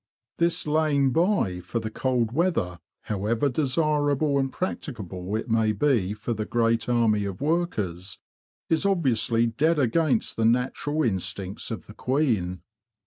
This lying by for the cold weather, however desirable and practicable it may be for the great army of workers, is obviously dead against the natural instincts of the queen.